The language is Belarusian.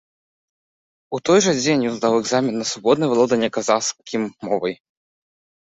У той жа дзень ён здаў экзамен на свабоднае валоданне казахскім мовай.